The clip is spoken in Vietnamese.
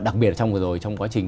đặc biệt trong quá trình